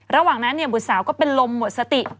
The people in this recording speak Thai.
ระหว่างนั้นบุตรสาวก็เป็นลมหมดสติ